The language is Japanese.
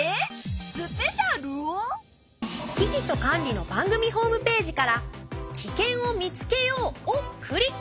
「キキとカンリ」の番組ホームページから「キケンをみつけよう！」をクリック。